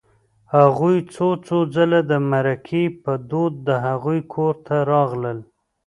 هغوی څو څو ځله د مرکې په دود د هغوی کور ته راغلل